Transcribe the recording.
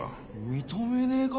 認めねえか？